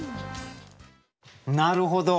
なるほど。